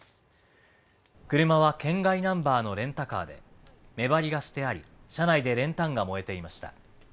車は県外ナンバーのレンタカーで、目張りがしてあり車内で練炭が燃えていました。